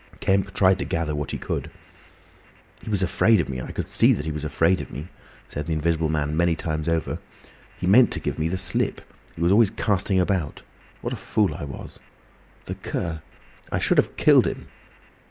Kemp tried to gather what he could. "He was afraid of me, I could see that he was afraid of me," said the Invisible Man many times over. "He meant to give me the slip—he was always casting about! What a fool I was! "The cur! "I should have killed him!"